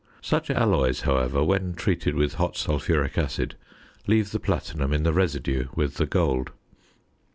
Such alloys, however, when treated with hot sulphuric acid leave the platinum in the residue with the gold.